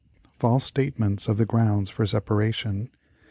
False Statements of the Grounds for Separation.